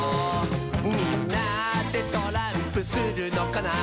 「みんなでトランプするのかな？」